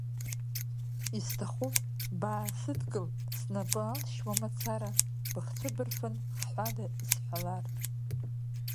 Исҭахуп, баасыдкыл, снапы алшьуа мацара, быхцәы бырфын хҳәада исҳәалар.